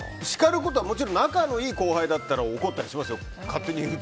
叱ることはもちろん仲のいい後輩だったら怒ったりしますよ。